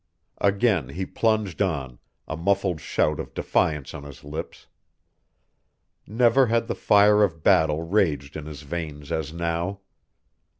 Again he plunged on, a muffled shout of defiance on his lips. Never had the fire of battle raged in his veins as now.